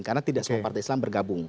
karena tidak semua partai islam bergabung